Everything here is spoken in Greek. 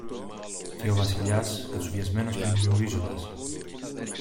Και ο Βασιλιάς, κατσουφιασμένος και μουρμουρίζοντας